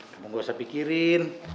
kamu ga usah pikirin